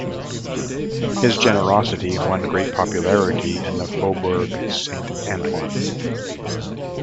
His generosity won great popularity in the Faubourg Saint Antoine.